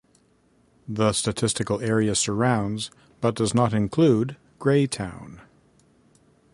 The statistical area surrounds but does not include Greytown.